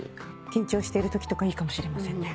緊張してるときとかいいかもしれませんね。